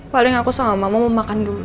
paling aku sama mama mau makan dulu